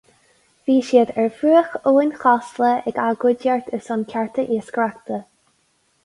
Bhí siad ar bhruach Abhainn Chasla ag agóidíocht ar son cearta iascaireachta.